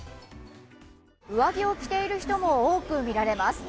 上着を着ている人も多くみられます。